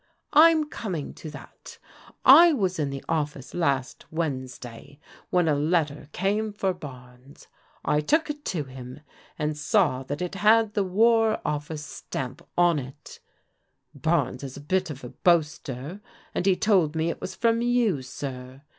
"" I'm coming to that I was in the office last Wednes day when a letter came for Barnes. I took it to him, and saw that it had the War Office stamp on it Barnes is a bit of a boaster and he told me it was from you, sir.